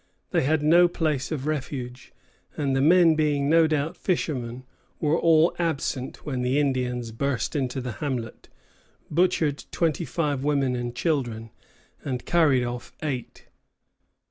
They had no place of refuge, and the men being, no doubt, fishermen, were all absent, when the Indians burst into the hamlet, butchered twenty five women and children, and carried off eight.